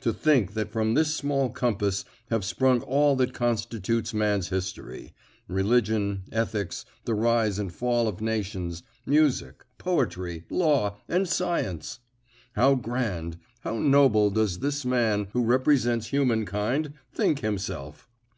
To think that from this small compass have sprung all that constitutes man's history religion, ethics, the rise and fall of nations, music, poetry, law, and science! How grand, how noble does this man, who represents humankind, think himself!